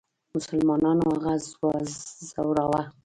مسلمانانو هغه ځوراوه.